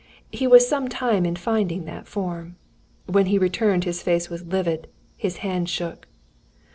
He was some time in finding that form. When he returned his face was livid, his hand shook.